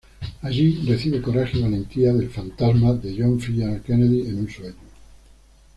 Allí, recibe coraje y valentía del fantasma de John F. Kennedy en un sueño.